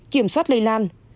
kiểm soát lây lan